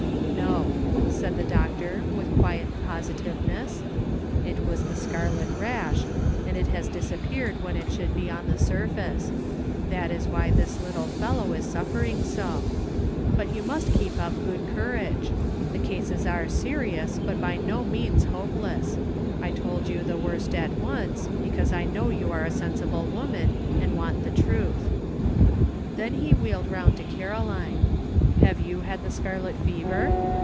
"No," said the doctor, with quiet positive ness, " it was the scarlet rash, and it has disap peared, when it should be on the surface ; that is why this little fellow is suffering so. But you must keep up good courage ; the cases are serious, but by no means hopeless ; I told you the worst at once, because 1 know you are a sensible woman, and want the truth." Then he wheeled round to Caroline. " Have you had the scarlet fever?"